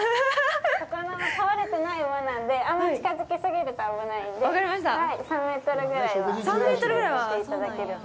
そこの馬、飼われてない馬なんで、あんまり近づきすぎると危ないんで、３メートルぐらいは離れて見ていただけると。